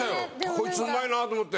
こいつうまいなと思って。